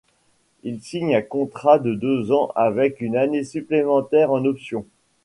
Il signe un contrat de deux ans avec une année supplémentaire en option.